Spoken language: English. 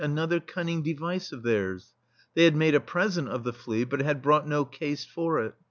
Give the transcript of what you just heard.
[^7] THE STEEL FLEA another cunning device of theirs: they had made a present of the flea, but had brought no case for it.